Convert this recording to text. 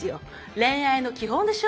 恋愛の基本でしょ？